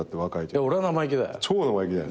俺は生意気だよ。